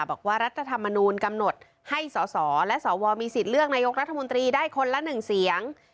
รัฐธรรมนูลกำหนดให้สสและสวมีสิทธิ์เลือกนายกรัฐมนตรีได้คนละ๑เสียง